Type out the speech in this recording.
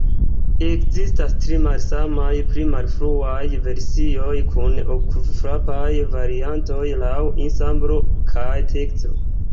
Ekzistas tri malsamaj pli malfruaj versioj kun okulfrapaj variantoj laŭ ensemblo kaj teksto.